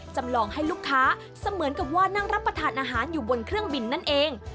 จำลองให้ลูกค้าเสมือนกับว่านั่งรับประทานอาหารอยู่บนเครื่องบินนั่นเอง